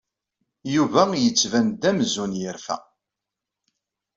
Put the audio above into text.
Yuba yettban-d amzun yerfa.